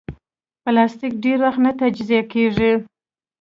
پلاستيک ډېر وخت نه تجزیه کېږي.